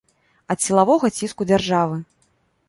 Ад сілавога ціску дзяржавы!